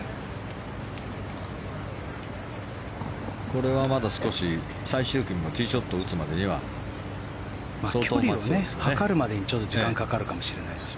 これはまだ少し最終組がティーショットを打つまでには距離を測るまでにちょっと時間がかかるかもしれないです。